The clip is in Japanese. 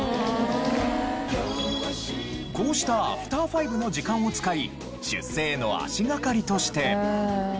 こうしたアフター５の時間を使い出世への足がかりとして。